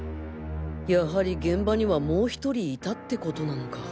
やはり現場にはもう１人いたってことなのか？